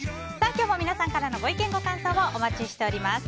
今日も皆様からのご意見ご感想をお待ちしております。